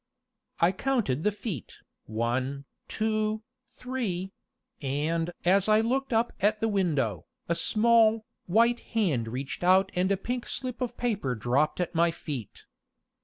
I counted the feet, one, two, three and as I looked up at the window, a small, white hand reached out and a pink slip of paper dropped at my feet.